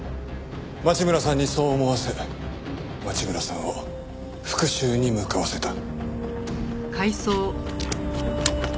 町村さんにそう思わせ町村さんを復讐に向かわせた。